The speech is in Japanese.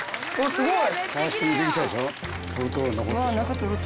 「すごい！」